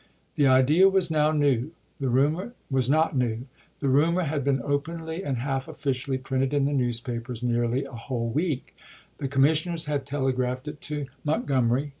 The idea was not new ; the rumor had been openly and half officially printed in the newspapers nearly a whole week; the commis sioners had telegraphed it to Montgomery.